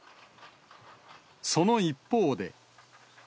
その一方で。